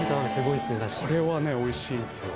これはねおいしいんですよ